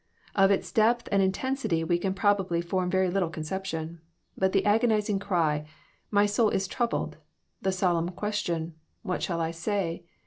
Of its depth and intensity we can probably form very little conception. But the agonizing cry, " My soul is troubled," — the solemn question, "What shall I say?"